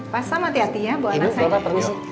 pas sama hati hati ya ini buah buahan